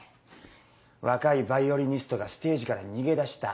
若いヴァイオリニストがステージから逃げ出した。